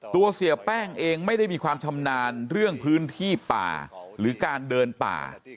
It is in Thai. เสียแป้งเองไม่ได้มีความชำนาญเรื่องพื้นที่ป่าหรือการเดินป่า